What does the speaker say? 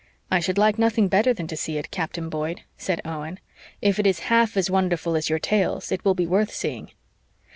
"I should like nothing better than to see it, Captain Boyd," said Owen. "If it is half as wonderful as your tales it will be worth seeing."